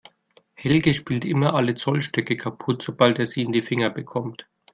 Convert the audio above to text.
Helge spielt immer alle Zollstöcke kaputt, sobald er sie in die Finger bekommt.